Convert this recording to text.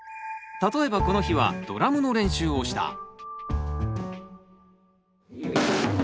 例えばこの日はドラムの練習をした。